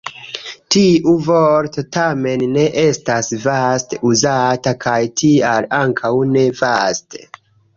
Tiu vorto tamen ne estas vaste uzata, kaj tial ankaŭ ne vaste.